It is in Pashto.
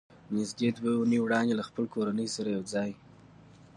نږدې دوه اوونۍ وړاندې له خپلې کورنۍ سره یو ځای